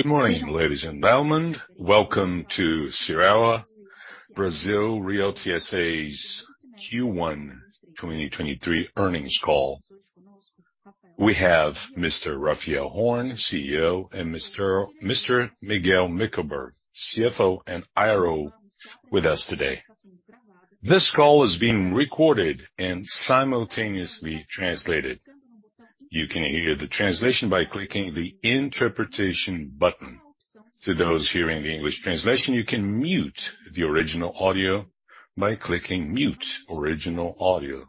Good morning, ladies and gentlemen. Welcome to Cyrela Brazil Realty S/A's Q1 2023 earnings call. We have Mr. Raphael Horn, CEO, and Mr. Miguel Mickelberg, CFO and IRO with us today. This call is being recorded and simultaneously translated. You can hear the translation by clicking the interpretation button. To those hearing the English translation, you can mute the original audio by clicking Mute Original Audio.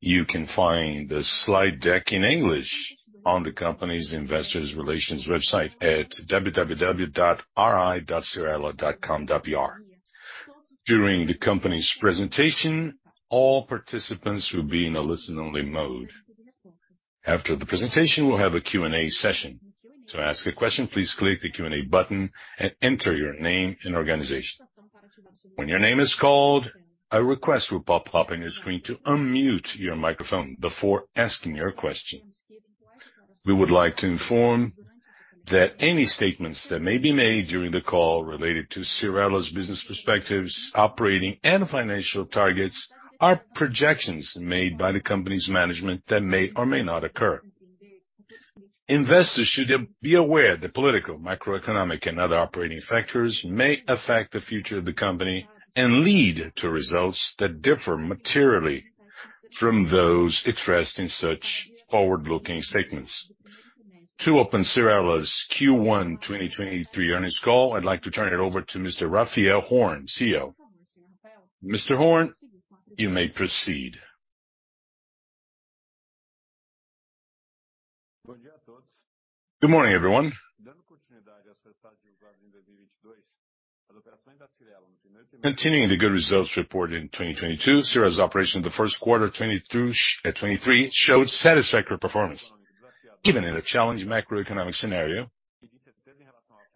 You can find the slide deck in English on the company's investor relations website at www.ri.cyrela.com.br. During the company's presentation, all participants will be in a listen-only mode. After the presentation, we'll have a Q&A session. To ask a question, please click the Q&A button and enter your name and organization. When your name is called, a request will pop up on your screen to unmute your microphone before asking your question. We would like to inform that any statements that may be made during the call related to Cyrela's business perspectives, operating and financial targets are projections made by the company's management that may or may not occur. Investors should be aware that political, microeconomic and other operating factors may affect the future of the company and lead to results that differ materially from those expressed in such forward-looking statements. To open Cyrela's Q1 2023 earnings call, I'd like to turn it over to Mr. Raphael Horn, CEO. Mr. Horn, you may proceed. Good morning, everyone. Continuing the good results reported in 2022, Cyrela's operation in the first quarter 2023 showed satisfactory performance. Even in a challenging macroeconomic scenario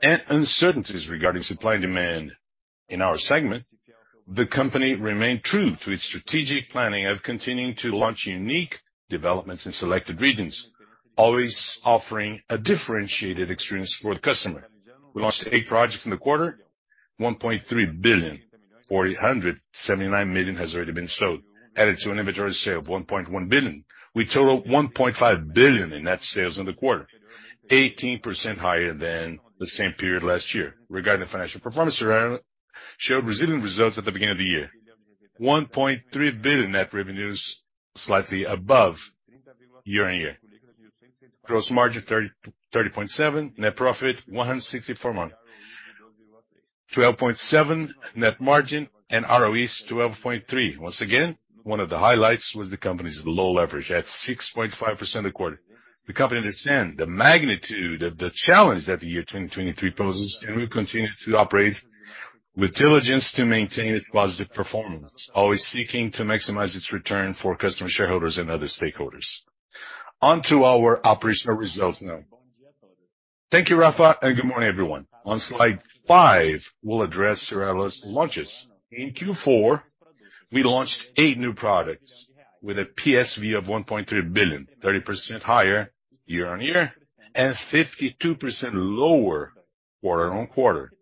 and uncertainties regarding supply and demand in our segment, the company remained true to its strategic planning of continuing to launch unique developments in selected regions, always offering a differentiated experience for the customer. We launched eight projects in the quarter, 1.3 billion. 479 million has already been sold. Added to an inventory sale of 1.1 billion, we total 1.5 billion in net sales in the quarter, 18% higher than the same period last year. Regarding the financial performance, Cyrela showed resilient results at the beginning of the year. 1.3 billion net revenues, slightly above year-over-year. Gross margin 30.7%. Net profit 164 million. 12.7% net margin and ROEs 12.3%. Once again, one of the highlights was the company's low leverage at 6.5% a quarter. The company understand the magnitude of the challenge that the year 2023 poses, and we continue to operate with diligence to maintain its positive performance, always seeking to maximize its return for customer, shareholders and other stakeholders. Onto our operational results now. Thank you, Raphael, and good morning, everyone. On slide five, we'll address Cyrela's launches. In Q4, we launched eight new products with a PSV of 1.3 billion, 30% higher year-on-year and 52% lower quarter-on-quarter.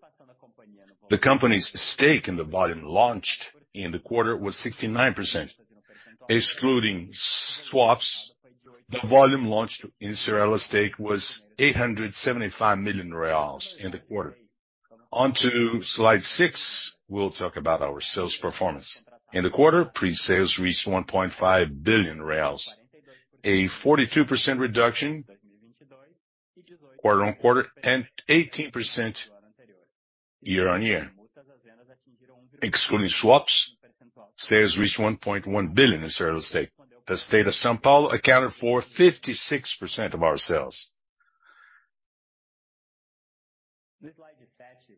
The company's stake in the volume launched in the quarter was 69%. Excluding swaps, the volume launchd in Cyrela state was 875 million reais in the quarter. Onto slide six, we'll talk about our sales performance. In the quarter, pre-sales reached 1.5 billion reais, a 42% reduction quarter-on-quarter and 18% year-on-year. Excluding swaps, sales reached 1.1 billion in Cyrela state. The state of São Paulo accounted for 56% of our sales.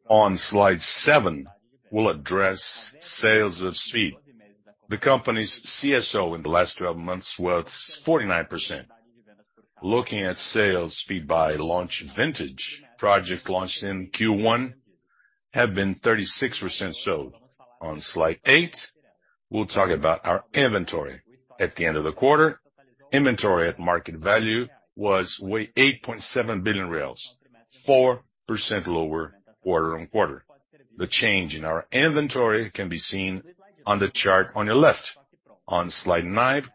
On slide seven, we'll address sales of speed. The company's CSO in the last 12 months was 49%. Looking at sales speed by launch vintage, projects launched in Q1 have been 36% sold. On slide eight, we'll talk about our inventory. At the end of the quarter, inventory at market value was 8.7 billion, 4% lower quarter-on-quarter. The change in our inventory can be seen on the chart on your left. On slide nine,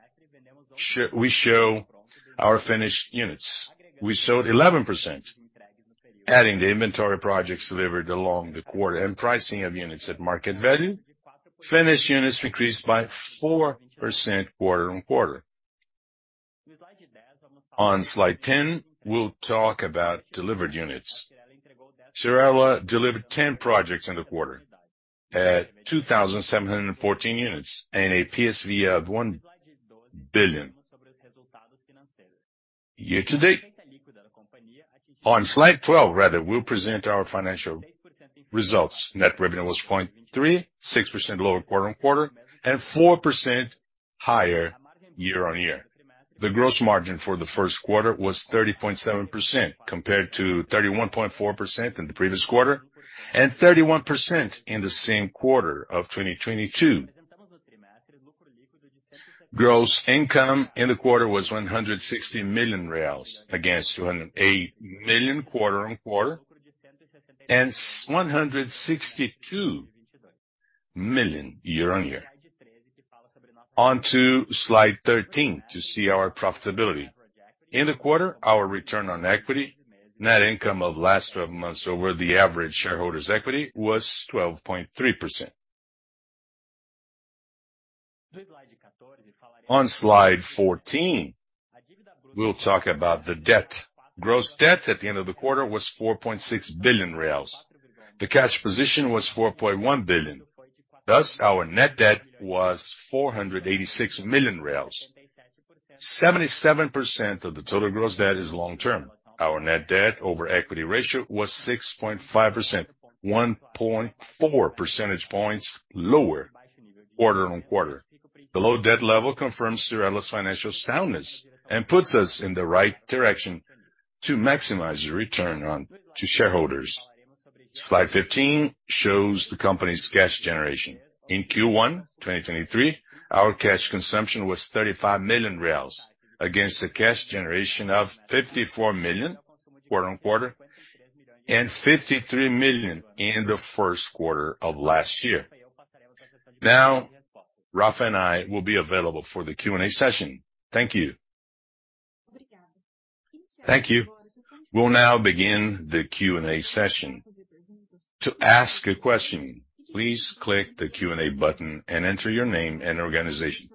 we show our finished units. We sold 11%. Adding the inventory projects delivered along the quarter and pricing of units at market value, finished units decreased by 4% quarter-on-quarter. On slide 10, we'll talk about delivered units. Cyrela delivered 10 projects in the quarter at 2,714 units and a PSV of 1 billion year-to-date. On slide 12, rather, we'll present our financial results. Net revenue was 0.36% lower quarter-on-quarter and 4% higher year-on-year. The gross margin for the first quarter was 30.7% compared to 31.4% in the previous quarter and 31% in the same quarter of 2022. Gross income in the quarter was 160 million reais against 208 million quarter-on-quarter, and 162 million year-on-year. On to slide 13 to see our profitability. In the quarter, our return on equity, net income of last 12 months over the average shareholders equity was 12.3%. On slide 14, we'll talk about the debt. Gross debt at the end of the quarter was 4.6 billion reais. The cash position was 4.1 billion. Our net debt was 486 million reais. 77% of the total gross debt is long-term. Our net debt over equity ratio was 6.5%, 1.4 percentage points lower quarter-on-quarter. The low debt level confirms Cyrela's financial soundness and puts us in the right direction to maximize return on to shareholders. Slide 15 shows the company's cash generation. In Q1 2023, our cash consumption was 35 million reais against a cash generation of 54 million quarter-on-quarter and 53 million in the first quarter of last year. Rafa and I will be available for the Q&A session. Thank you. Thank you. We'll now begin the Q&A session. To ask a question, please click the Q&A button and enter your name and organization.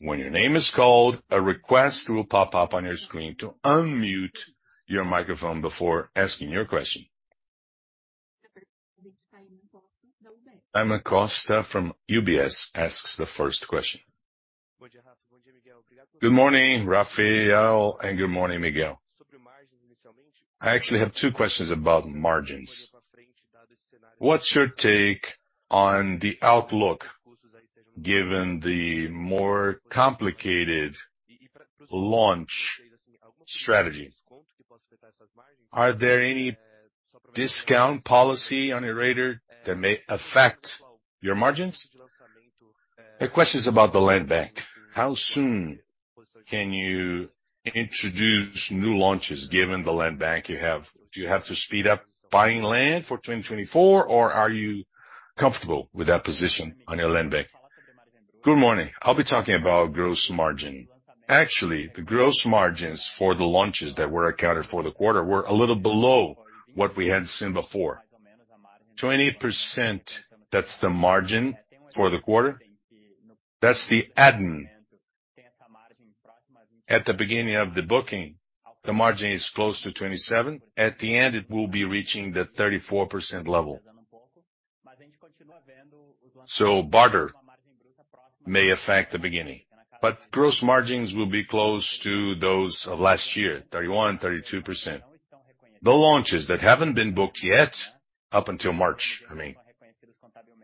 When your name is called, a request will pop up on your screen to unmute your microphone before asking your question. Ema Costa from UBS asks the first question. Good morning, Raphael, and good morning, Miguel. I actually have two questions about margins. What's your take on the outlook given the more complicated launch strategy? Are there any discount policy on your radar that may affect your margins? A question is about the land bank. How soon can you introduce new launches given the land bank you have? Do you have to speed up buying land for 2024 or are you comfortable with that position on your land bank? Good morning. I'll be talking about gross margin. Actually, the gross margins for the launches that were accounted for the quarter were a little below what we had seen before. 20%, that's the margin for the quarter. That's the admin. At the beginning of the booking, the margin is close to 27%. At the end, it will be reaching the 34% level. Barter may affect the beginning, but gross margins will be close to those of last year, 31%-32%. The launches that haven't been booked yet up until March, I mean,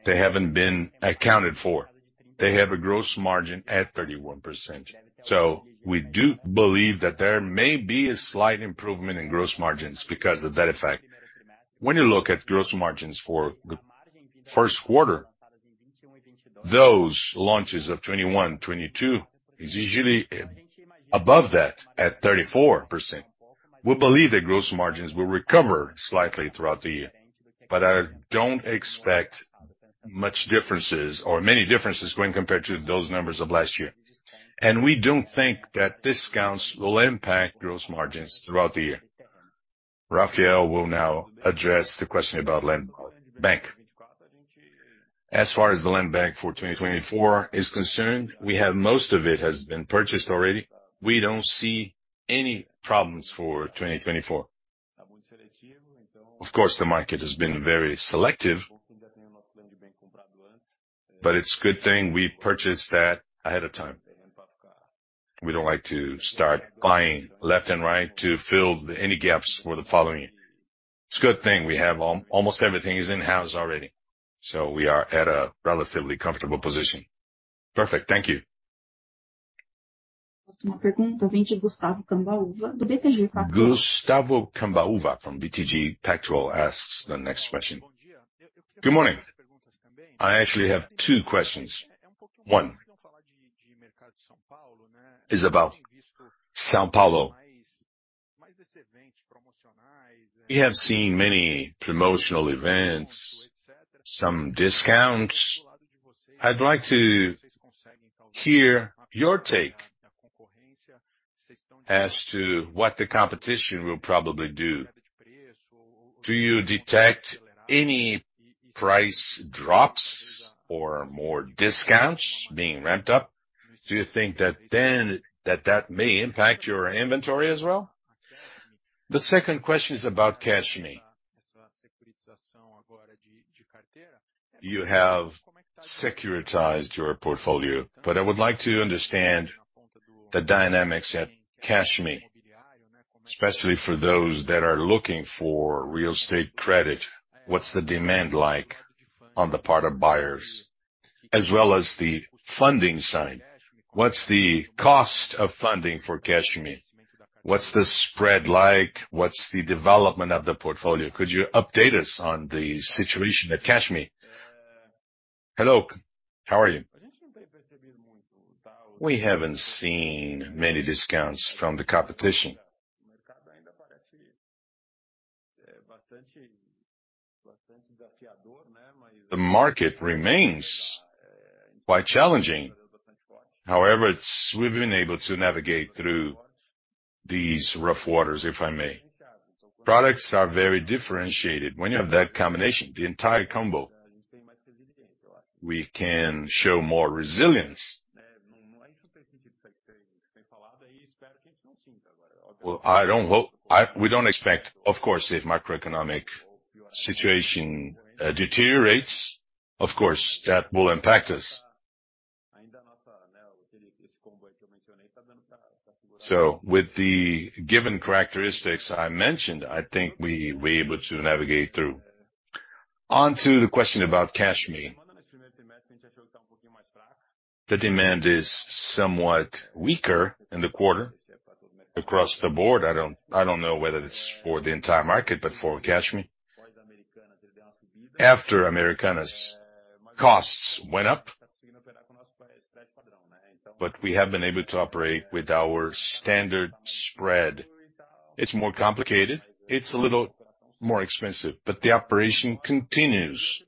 they haven't been accounted for. They have a gross margin at 31%. We do believe that there may be a slight improvement in gross margins because of that effect. When you look at gross margins for the first quarter, those launches of 2021, 2022 is usually above that at 34%. We believe that gross margins will recover slightly throughout the year, but I don't expect much differences or many differences when compared to those numbers of last year. We don't think that discounts will impact gross margins throughout the year. Raphael will now address the question about land bank. As far as the land bank for 2024 is concerned, we have most of it has been purchased already. We don't see any problems for 2024. Of course, the market has been very selective, but it's a good thing we purchased that ahead of time. We don't like to start buying left and right to fill any gaps for the following year. It's a good thing we have almost everything is in-house already. We are at a relatively comfortable position. Perfect. Thank you. Gustavo Cambauva from BTG Pactual asks the next question. Good morning. I actually have two questions. One is about São Paulo. We have seen many promotional events, some discounts. I'd like to hear your take as to what the competition will probably do. Do you detect any price drops or more discounts being ramped up? Do you think that that may impact your inventory as well? The second question is about CashMe. You have securitized your portfolio, I would like to understand the dynamics at CashMe, especially for those that are looking for real estate credit. What's the demand like on the part of buyers, as well as the funding side? What's the cost of funding for CashMe? What's the spread like? What's the development of the portfolio? Could you update us on the situation at CashMe? Hello, how are you? We haven't seen many discounts from the competition. The market remains quite challenging. We've been able to navigate through these rough waters, if I may. Products are very differentiated. When you have that combination, the entire combo, we can show more resilience. Well, we don't expect, of course, if macroeconomic situation deteriorates, of course, that will impact us. With the given characteristics I mentioned, I think we'll be able to navigate through. On to the question about CashMe. The demand is somewhat weaker in the quarter across the board. I don't know whether it's for the entire market, but for CashMe. After Americana's costs went up, but we have been able to operate with our standard spread. It's more complicated. It's a little more expensive, but the operation continues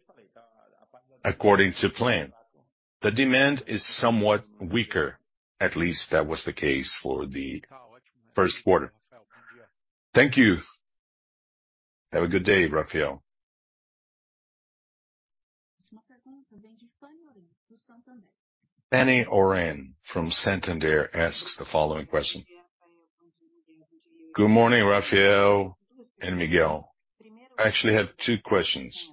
according to plan. The demand is somewhat weaker. At least that was the case for the first quarter. Thank you. Have a good day, Raphael. Fanny Oreng from Santander asks the following question. Good morning, Raphael and Miguel. I actually have two questions.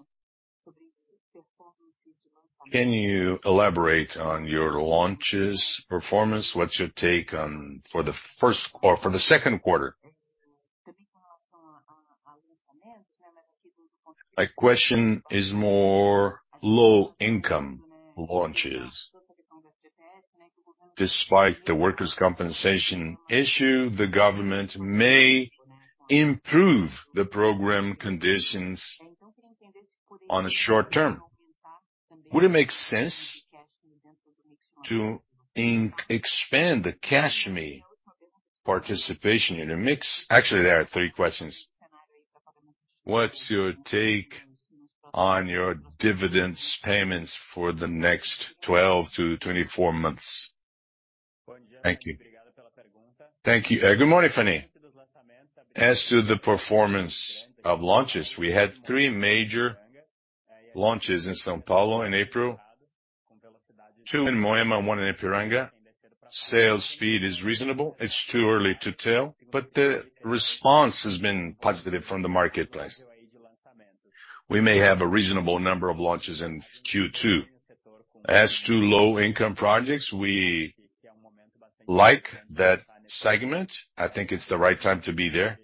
Can you elaborate on your launches performance? What's your take for the first or for the second quarter? My question is more low income launches. Despite the workers' compensation issue, the government may improve the program conditions on the short term. Would it make sense to expand the CashMe participation in the mix? Actually, there are three questions. What's your take on your dividends payments for the next 12-24 months? Thank you. Thank you. Good morning, Fanny. As to the performance of launches, we had three major launches in São Paulo in April, two in Moema, one in Ipiranga. Sales speed is reasonable. It's too early to tell, but the response has been positive from the marketplace. We may have a reasonable number of launches in Q2. As to low income projects, we like that segment. I think it's the right time to be there.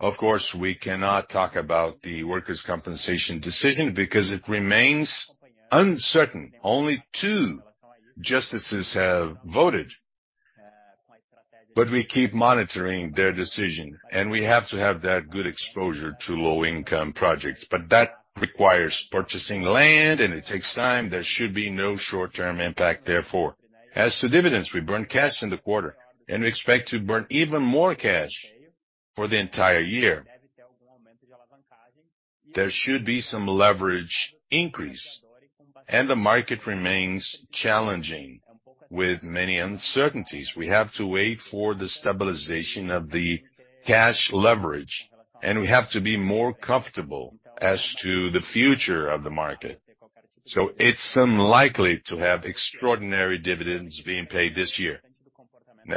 Of course, we cannot talk about the workers' compensation decision because it remains uncertain. Only two justices have voted. We keep monitoring their decision, and we have to have that good exposure to low income projects. That requires purchasing land, and it takes time. There should be no short-term impact, therefore. As to dividends, we burn cash in the quarter. We expect to burn even more cash for the entire year. There should be some leverage increase. The market remains challenging with many uncertainties. We have to wait for the stabilization of the cash leverage. We have to be more comfortable as to the future of the market. It's unlikely to have extraordinary dividends being paid this year.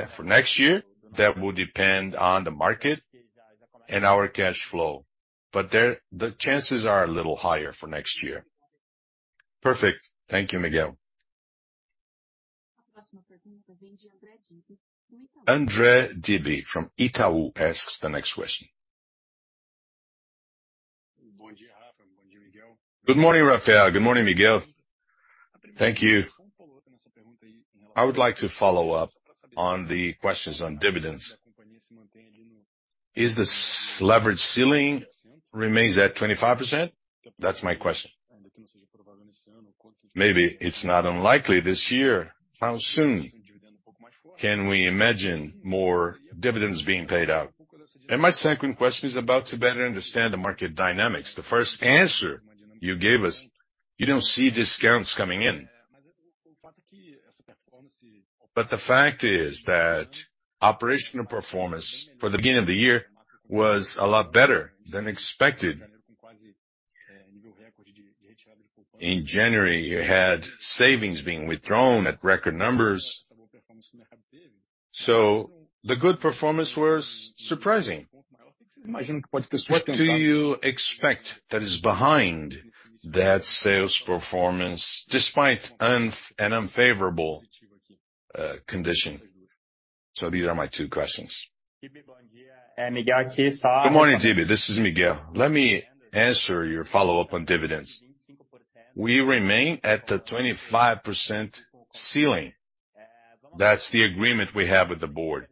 For next year, that will depend on the market and our cash flow, but there, the chances are a little higher for next year. Perfect. Thank you, Miguel Mickelberg. André Dibe from Itaú asks the next question. Good morning, Raphael Horn. Good morning, Miguel Mickelberg. Thank you. I would like to follow up on the questions on dividends. Is the leverage ceiling remains at 25%? That's my question. Maybe it's not unlikely this year. How soon can we imagine more dividends being paid out? My second question is about to better understand the market dynamics. The first answer you gave us, you don't see discounts coming in. The fact is that operational performance for the beginning of the year was a lot better than expected. In January, you had savings being withdrawn at record numbers. The good performance was surprising. What do you expect that is behind that sales performance despite an unfavorable condition? These are my two questions. Good morning, Dibe. This is Miguel. Let me answer your follow-up on dividends. We remain at the 25% ceiling. That's the agreement we have with the board.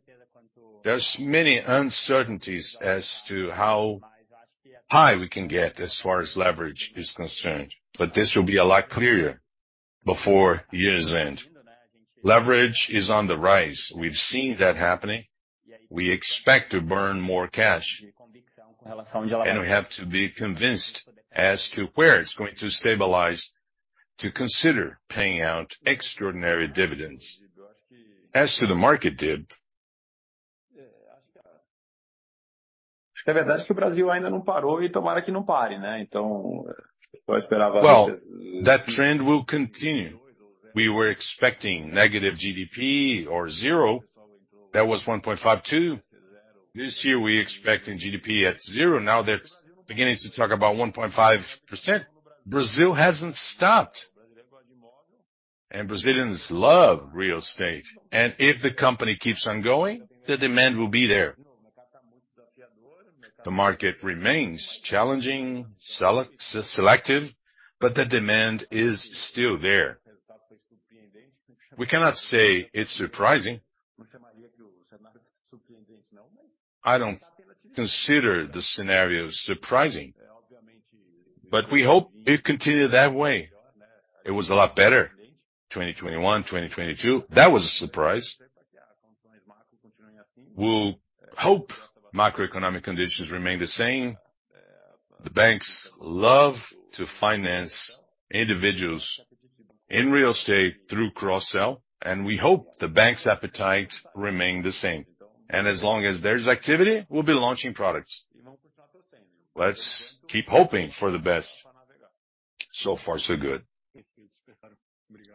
There's many uncertainties as to how high we can get as far as leverage is concerned, but this will be a lot clearer before year's end. Leverage is on the rise. We've seen that happening. We expect to burn more cash. We have to be convinced as to where it's going to stabilize to consider paying out extraordinary dividends. As to the market dip. Well, that trend will continue. We were expecting negative GDP or zero. That was 1.52%. This year, we expecting GDP at zero. Now they're beginning to talk about 1.5%. Brazil hasn't stopped. Brazilians love real estate. If the company keeps on going, the demand will be there. The market remains challenging, selective, but the demand is still there. We cannot say it's surprising. I don't consider the scenario surprising, but we hope it continue that way. It was a lot better, 2021, 2022. That was a surprise. We'll hope macroeconomic conditions remain the same. The banks love to finance individuals in real estate through cross-sell, and we hope the bank's appetite remain the same. As long as there's activity, we'll be launching products. Let's keep hoping for the best. So far, so good.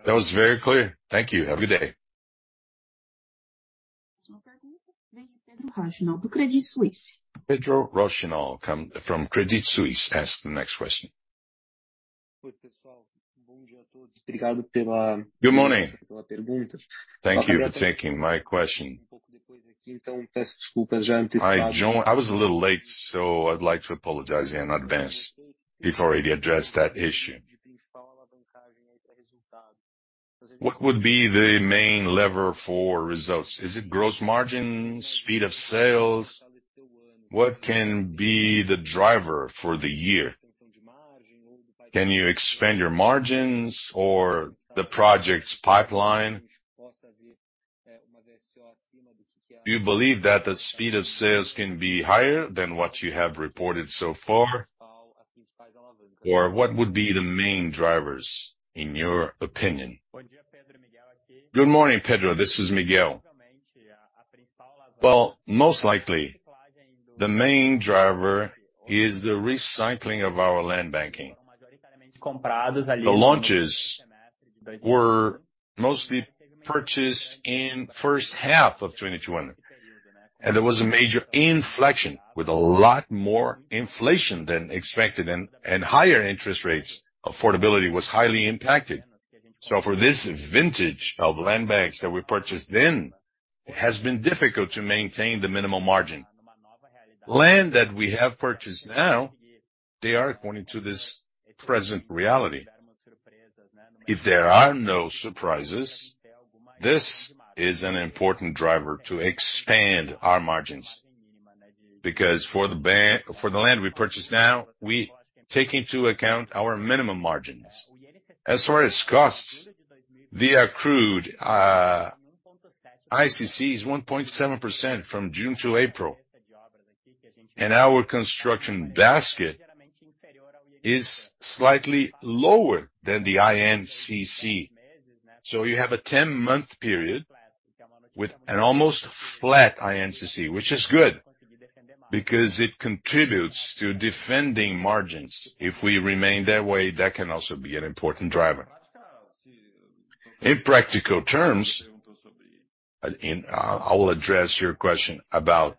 That was very clear. Thank you. Have a good day. Pedro Chomnalez come from Credit Suisse asks the next question. Good morning. Thank you for taking my question. I was a little late, so I'd like to apologize in advance. You've already addressed that issue. What would be the main lever for results? Is it gross margins, speed of sales? What can be the driver for the year? Can you expand your margins or the project's pipeline? Do you believe that the speed of sales can be higher than what you have reported so far? What would be the main drivers, in your opinion? Good morning, Pedro. This is Miguel. Well, most likely, the main driver is the recycling of our land banking. The launches were mostly purchased in first half of 2020. There was a major inflection with a lot more inflation than expected and higher interest rates. Affordability was highly impacted. For this vintage of land banks that we purchased then, it has been difficult to maintain the minimum margin. Land that we have purchased now, they are according to this present reality. If there are no surprises, this is an important driver to expand our margins. For the land we purchase now, we take into account our minimum margins. As far as costs, the accrued ICC is 1.7% from June to April. Our construction basket is slightly lower than the INCC. You have a 10-month period with an almost flat INCC, which is good because it contributes to defending margins. If we remain that way, that can also be an important driver. In practical terms, and I will address your question about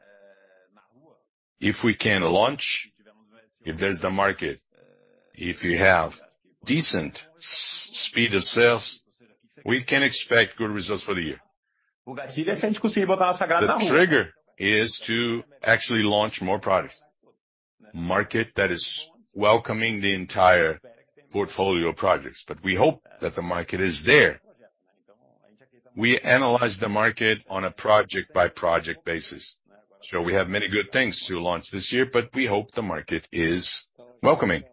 if we can launch, if there's the market, if you have decent speed of sales, we can expect good results for the year. The trigger is to actually launch more products. Market that is welcoming the entire portfolio of projects, we hope that the market is there. We analyze the market on a project-by-project basis. We have many good things to launch this year, we hope the market is welcoming.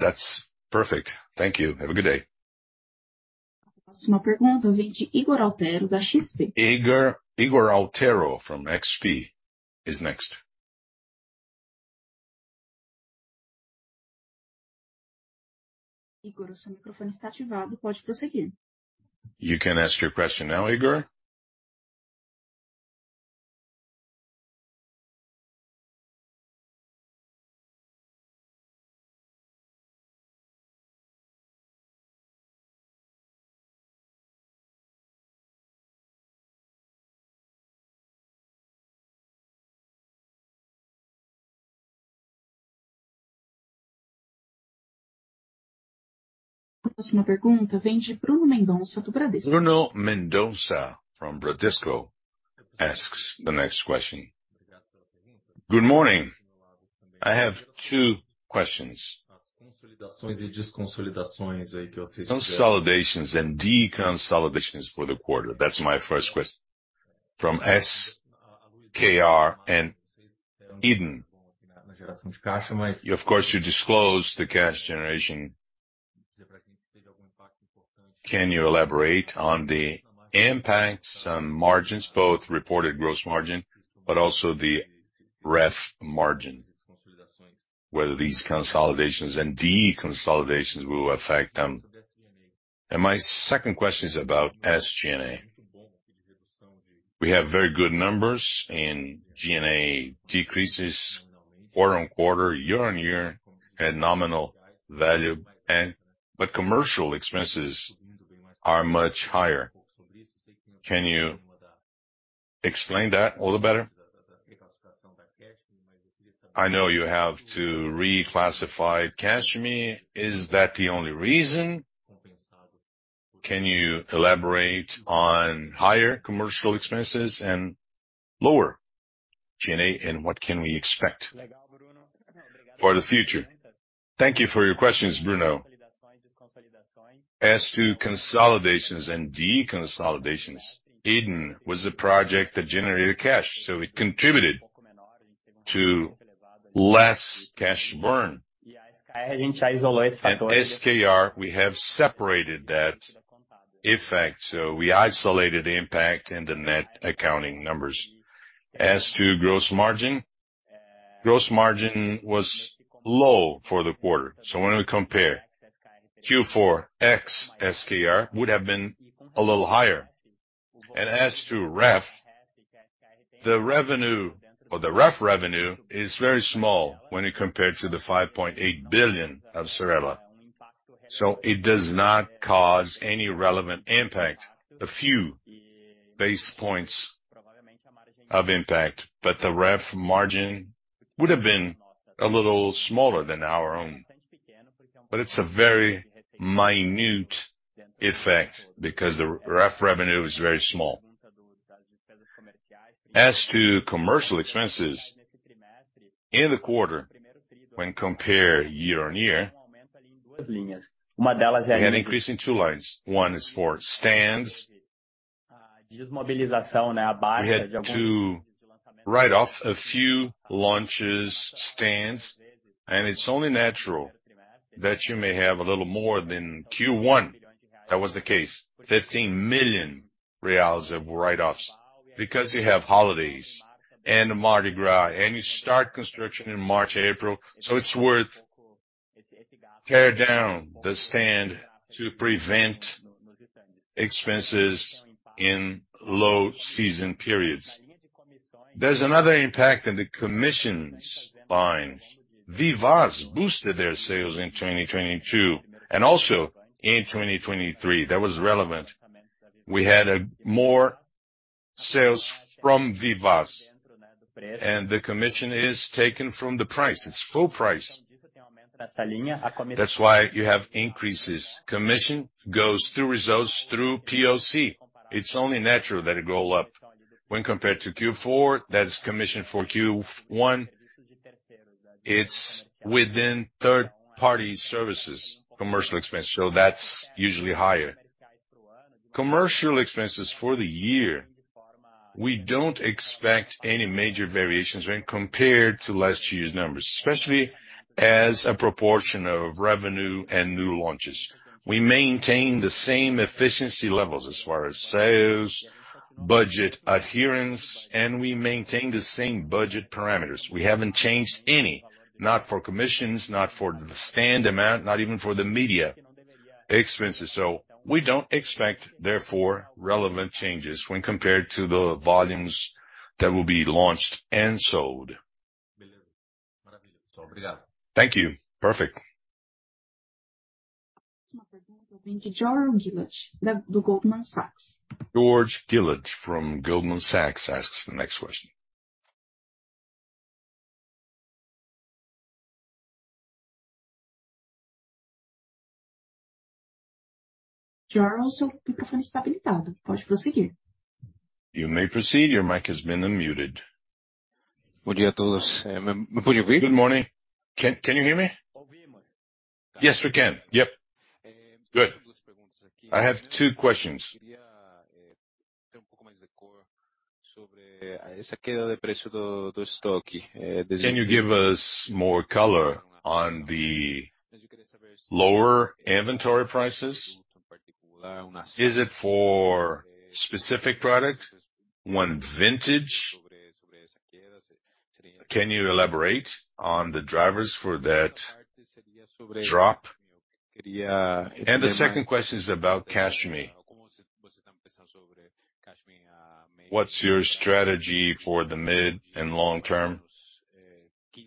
That's perfect. Thank you. Have a good day. Igor Otero from XP is next. You can ask your question now, Igor. The next one. Bruno Mendonça from Bradesco asks the next question. Good morning. I have two questions. Consolidations and deconsolidations for the quarter, that's my first question. From SKR and Eden. Of course, you disclosed the cash generation. Can you elaborate on the impacts on margins, both reported gross margin but also the REF margin, whether these consolidations and deconsolidations will affect them? My second question is about SG&A. We have very good numbers and G&A decreases quarter-on-quarter, year-on-year at nominal value. Commercial expenses are much higher. Can you explain that a little better? I know you have to reclassify CashMe. Is that the only reason? Can you elaborate on higher commercial expenses and lower G&A, and what can we expect for the future? Thank you for your questions, Bruno. As to consolidations and deconsolidations, Eden was a project that generated cash, it contributed to less cash burn. At SKR, we have separated that effect, we isolated the impact and the net accounting numbers. As to gross margin, gross margin was low for the quarter. When we compare Q4 X SKR would have been a little higher. As to REF, the revenue or the REF revenue is very small when you compare it to the 5.8 billion of Cyrela. It does not cause any relevant impact. A few base points of impact, but the REF margin would have been a little smaller than our own. It's a very minute effect because the REF revenue is very small. As to commercial expenses, in the quarter when compared year-over-year, we had increase in two lines. One is for stands. We had to write off a few launches, stands, it's only natural that you may have a little more than Q1. That was the case. 15 million reais of write-offs because you have holidays and Mardi Gras, you start construction in March, April. It's worth tear down the stand to prevent expenses in low season periods. There's another impact in the commissions lines. Vivaz boosted their sales in 2022 and also in 2023. That was relevant. We had more sales from Vivaz, the commission is taken from the price. It's full price. That's why you have increases. Commission goes through results through POC. It's only natural that it go up. When compared to Q4, that's commission for Q1. It's within third-party services, commercial expense, that's usually higher. Commercial expenses for the year, we don't expect any major variations when compared to last year's numbers, especially as a proportion of revenue and new launches. We maintain the same efficiency levels as far as sales, budget adherence, and we maintain the same budget parameters. We haven't changed any, not for commissions, not for the stand amount, not even for the media expenses. We don't expect, therefore, relevant changes when compared to the volumes that will be launched and sold. Thank you. Perfect. Good morning. Can you hear me? Yes, we can. Yep. Good. I have two questions. Can you give us more color on the lower inventory prices? Is it for specific product, one vintage? Can you elaborate on the drivers for that drop? The second question is about CashMe. What's your strategy for the mid and long term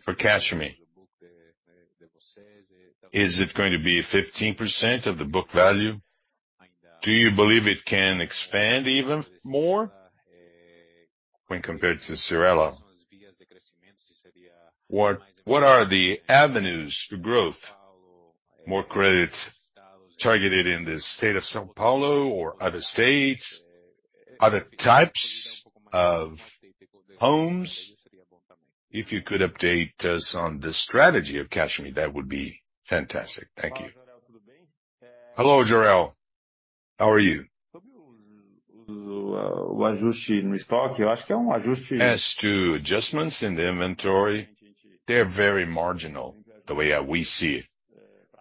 for CashMe? Is it going to be 15% of the book value? Do you believe it can expand even more when compared to Cyrela? What are the avenues to growth? More credit targeted in the state of São Paulo or other states, other types of homes. If you could update us on the strategy of CashMe, that would be fantastic. Thank you. Hello, Galliers. How are you? As to adjustments in the inventory, they're very marginal the way that we see it.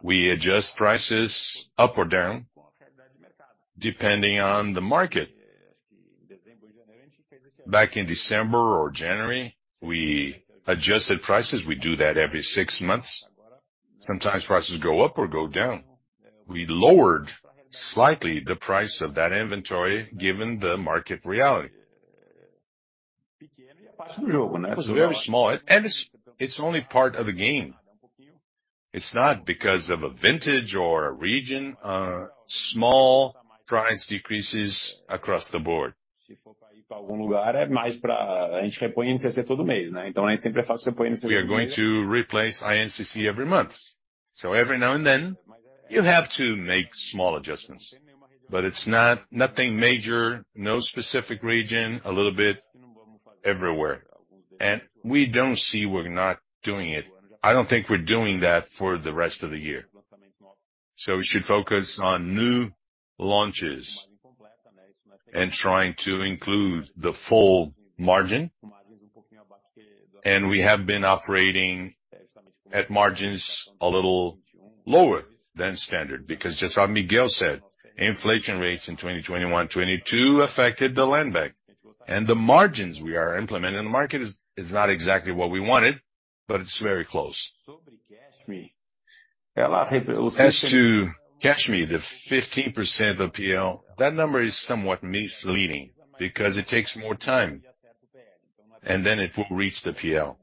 We adjust prices up or down depending on the market. Back in December or January, we adjusted prices. We do that every six months. Sometimes prices go up or go down. We lowered slightly the price of that inventory given the market reality. It was very small and it's only part of the game. It's not because of a vintage or a region, small price decreases across the board. We are going to replace INCC every month. Every now and then you have to make small adjustments. It's not nothing major, no specific region, a little bit everywhere. We're not doing it. I don't think we're doing that for the rest of the year. We should focus on new launches and trying to include the full margin. We have been operating at margins a little lower than standard because just like Miguel said, inflation rates in 2021, 2022 affected the land bank. The margins we are implementing in the market is not exactly what we wanted, but it's very close. As to CashMe, the 15% of PL, that number is somewhat misleading because it takes more time and then it will reach the PL.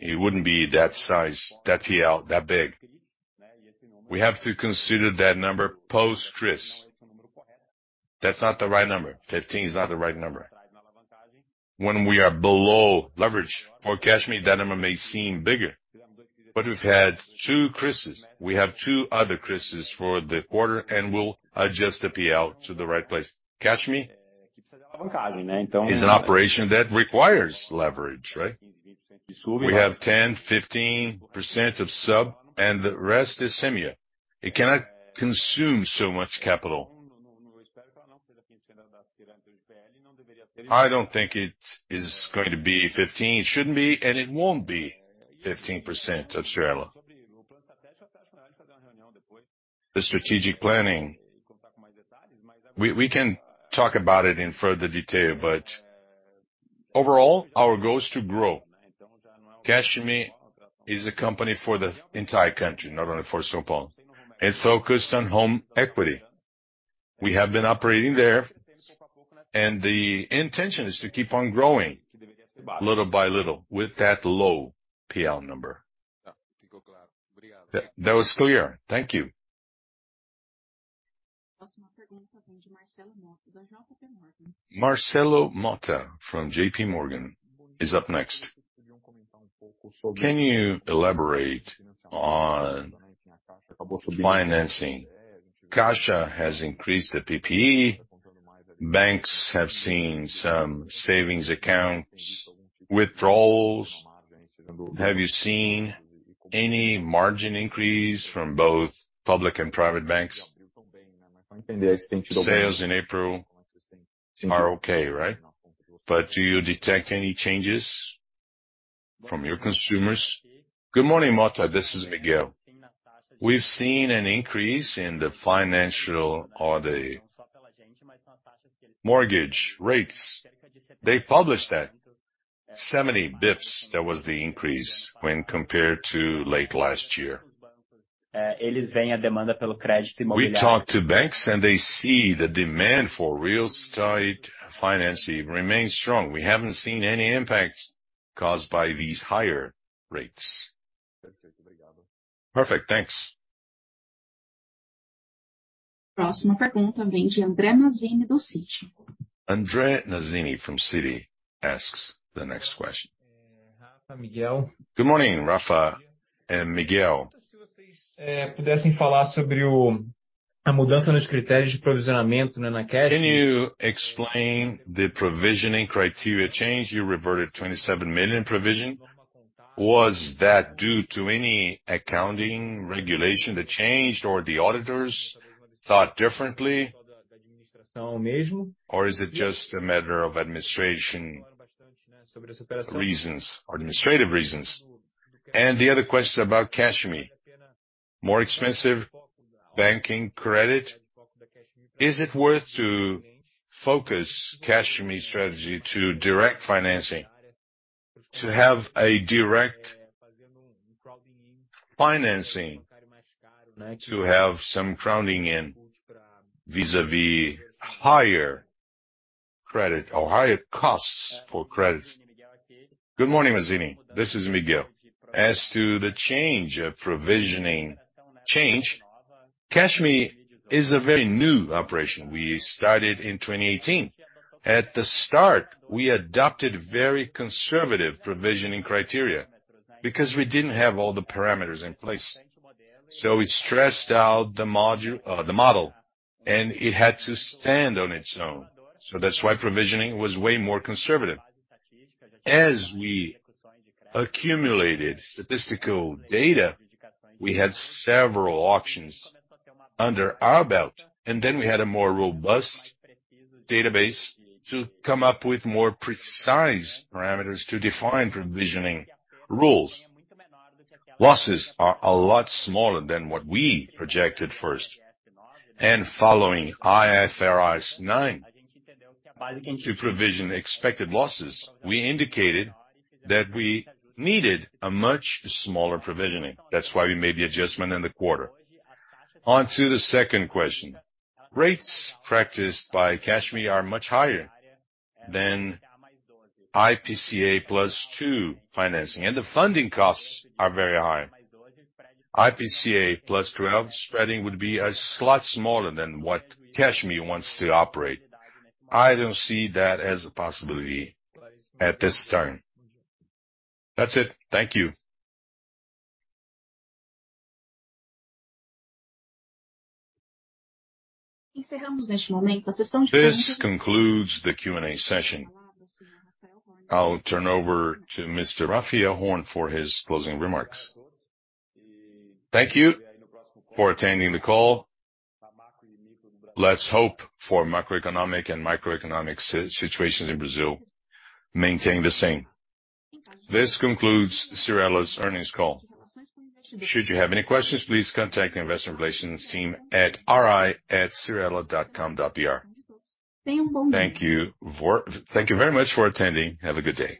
It wouldn't be that size, that PL that big. We have to consider that number post-CRIs. That's not the right number. 15% is not the right number. When we are below leverage for CashMe, that number may seem bigger. We've had two CRIs. We have two other CRIs for the quarter, and we'll adjust the PL to the right place. CashMe is an operation that requires leverage, right? We have 10%, 15% of sub, and the rest is senior. It cannot consume so much capital. I don't think it is going to be 15%. It shouldn't be, and it won't be 15% of Cyrela. The strategic planning, we can talk about it in further detail, but overall our goal is to grow. CashMe is a company for the entire country, not only for São Paulo. It's focused on home equity. We have been operating there, and the intention is to keep on growing little by little with that low PL number. That was clear. Thank you. Marcelo Motta from JPMorgan is up next. Can you elaborate on financing? Caixa has increased the PPE. Banks have seen some savings accounts withdrawals. Have you seen any margin increase from both public and private banks? Sales in April are okay, right? Do you detect any changes from your consumers? Good morning, Motta. This is Miguel. We've seen an increase in the financial or the mortgage rates. They published that. 70 basis points, that was the increase when compared to late last year. We talked to banks, and they see the demand for real estate financing remains strong. We haven't seen any impacts caused by these higher rates. Perfect. Thanks. Andre Mazini from Citi asks the next question. Good morning, Raphael and Miguel. Can you explain the provisioning criteria change? You reverted 27 million provision. Was that due to any accounting regulation that changed or the auditors thought differently or is it just a matter of administrative reasons? The other question is about CashMe. More expensive banking credit. Is it worth to focus CashMe strategy to have a direct financing, to have some crowding in higher credit or higher costs for credits? Good morning, Mazini. This is Miguel. As to the change of provisioning, CashMe is a very new operation. We started in 2018. At the start, we adopted very conservative provisioning criteria because we didn't have all the parameters in place. We stressed out the model, and it had to stand on its own. That's why provisioning was way more conservative. As we accumulated statistical data, we had several auctions under our belt, and then we had a more robust database to come up with more precise parameters to define provisioning rules. Losses are a lot smaller than what we projected first. Following IFRS 9, to provision expected losses, we indicated that we needed a much smaller provisioning. That's why we made the adjustment in the quarter. On to the second question. Rates practiced by CashMe are much higher than IPCA + 2 financing. The funding costs are very high. IPCA + 12 spreading would be a slot smaller than what CashMe wants to operate. I don't see that as a possibility at this time. That's it. Thank you. This concludes the Q&A session. I'll turn over to Mr. Raphael Horn for his closing remarks. Thank you for attending the call. Let's hope for macroeconomic and microeconomic situations in Brazil maintain the same. This concludes Cyrela's earnings call. Should you have any questions, please contact the investor relations team at ri@cyrela.com.br. Thank you very much for attending. Have a good day.